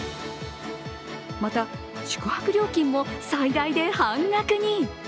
また、宿泊料金も最大で半額に。